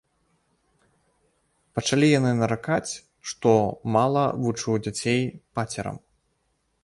Пачалі яны наракаць, што мала вучу дзяцей пацерам.